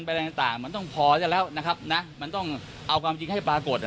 อะไรต่างต่างมันต้องพอซะแล้วนะครับนะมันต้องเอาความจริงให้ปรากฏอ่ะ